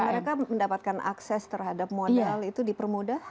dan mereka mendapatkan akses terhadap modal itu di permuda